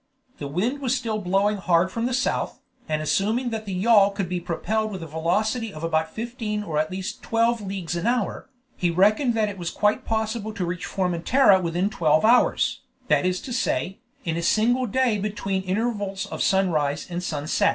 The wind was still blowing hard from the south, and assuming that the yawl could be propelled with a velocity of about fifteen or at least twelve leagues an hour, he reckoned that it was quite possible to reach Formentera within twelve hours, that is to say, in a single day between the intervals of sunrise and sunrise.